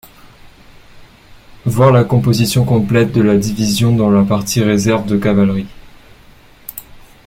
Voir la composition complète de la division dans la partie réserve de cavalerie.